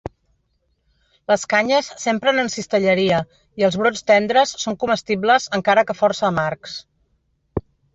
Les canyes s'empren en cistelleria, i els brots tendres són comestibles, encara que força amargs.